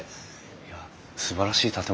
いやすばらしい建物ですね。